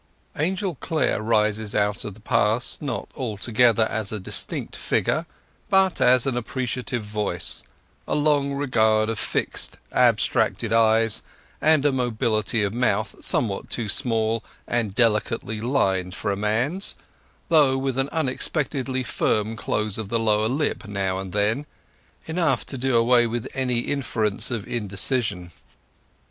XVIII Angel Clare rises out of the past not altogether as a distinct figure, but as an appreciative voice, a long regard of fixed, abstracted eyes, and a mobility of mouth somewhat too small and delicately lined for a man's, though with an unexpectedly firm close of the lower lip now and then; enough to do away with any inference of indecision.